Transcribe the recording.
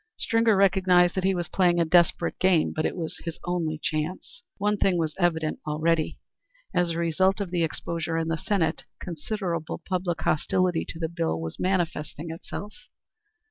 Stringer recognized that he was playing a desperate game, but it was his only chance. One thing was evident already: As a result of the exposure in the Senate, considerable public hostility to the bill was manifesting itself.